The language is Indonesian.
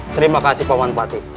terima kasih paman pati